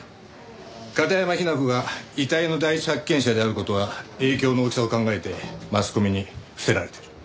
片山雛子が遺体の第一発見者である事は影響の大きさを考えてマスコミに伏せられてる。